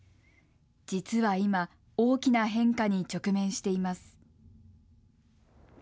実は今、大きな変化に直面しています。